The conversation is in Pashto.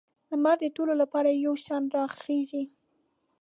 لمر د ټولو لپاره یو شان راخیږي.